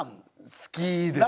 好きですね。